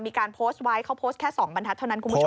มีการโพสต์ไว้เขาโพสต์แค่๒บรรทัศน์เท่านั้นคุณผู้ชม